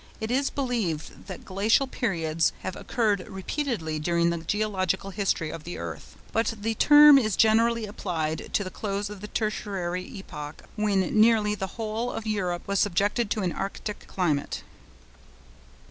It is believed that glacial periods have occurred repeatedly during the geological history of the earth, but the term is generally applied to the close of the Tertiary epoch, when nearly the whole of Europe was subjected to an arctic climate.